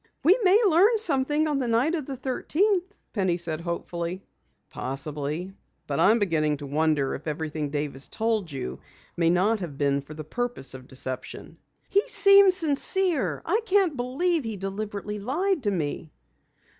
"We may learn something on the night of the thirteenth," Penny said hopefully. "Possibly, but I'm beginning to wonder if everything Davis told you may not have been for the purpose of deception." "He seemed sincere. I can't believe he deliberately lied to me."